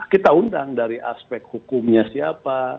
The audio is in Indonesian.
kita undang dari aspek hukumnya siapa